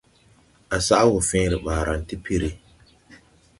À saʼ wɔ fẽẽre ɓaaran ti piri.